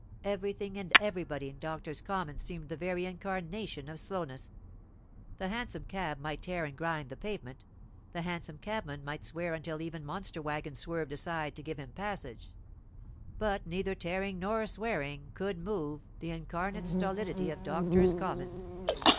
Everything and everybody in Doctors' Commons seemed the very incarnation of slowness. The hansom cab might tear and grind the pavement, the hansom cabman might swear until even monster waggons swerved aside to give him passage; but neither tearing nor swearing could move the incarnate stolidity of Doctors' Commons.